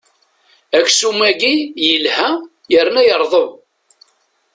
Aksum-agi yelha yerna yerḍeb.